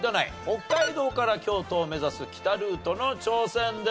北海道から京都を目指す北ルートの挑戦です。